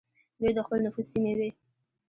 دوی د خپل نفوذ سیمې وې.